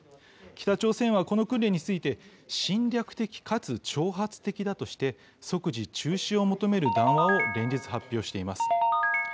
北朝鮮はこの訓練について、侵略的かつ挑発的だとして、即時中止を求める談話を連日発表しています。